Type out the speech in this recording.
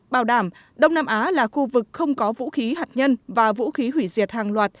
bảo đảm đông nam á là khu vực không có vũ khí hạt nhân và vũ khí hủy diệt hàng loạt